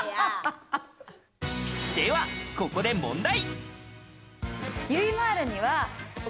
では、ここで問題。